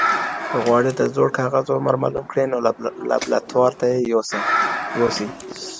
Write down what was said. که غواړئ د زوړ کاغذ عمر مالوم کړئ نو لابراتوار ته یې یوسئ.